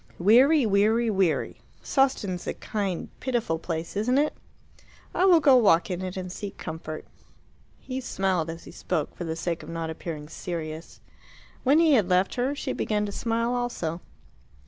Weary, weary, weary. Sawston's a kind, pitiful place, isn't it? I will go walk in it and seek comfort." He smiled as he spoke, for the sake of not appearing serious. When he had left her she began to smile also.